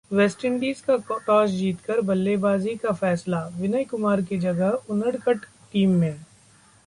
West Indies का toss जीतकर बल्लेबाजी का फैसला, विनय कुमार की जगह उनदकट टीम में